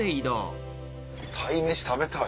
鯛めし食べたい。